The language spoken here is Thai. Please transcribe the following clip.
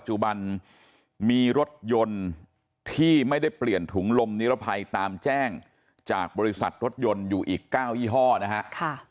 จุบันมีรถยนต์ที่ไม่ได้เปลี่ยนถุงลมนิรภัยตามแจ้งจากบริษัทรถยนต์อยู่อีก๙ยี่ห้อนะฮะ